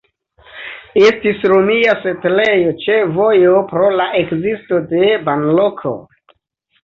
Estis romia setlejo ĉe vojo pro la ekzisto de banloko.